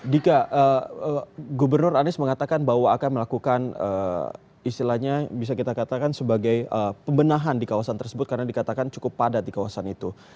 dika gubernur anies mengatakan bahwa akan melakukan istilahnya bisa kita katakan sebagai pembenahan di kawasan tersebut karena dikatakan cukup padat di kawasan itu